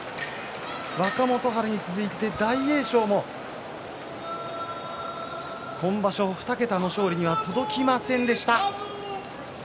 若元春に続いて、大栄翔も今場所２桁の勝利には届きませんでした。